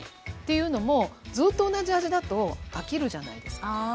というのもずっと同じ味だと飽きるじゃないですか。